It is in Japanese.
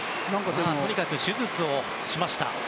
とにかく手術をしました。